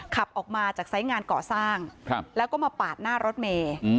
ขับออกมาจากไซส์งานก่อสร้างแล้วก็มาปาดหน้ารถเมย์